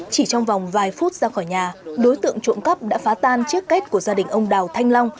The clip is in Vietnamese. chỉ trong vòng vài phút ra khỏi nhà đối tượng trộm cắp đã phá tan chiếc kết của gia đình ông đào thanh long